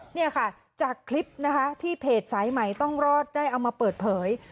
เนี่ยค่ะจากคลิปนะคะที่เพจสายใหม่ต้องรอดได้เอามาเปิดเผย